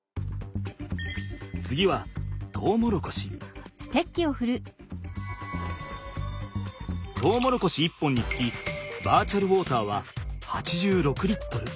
次はトウモロコシ１本につきバーチャルウォーターは８６Ｌ。